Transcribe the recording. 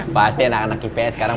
pasti anak anak kita sekarang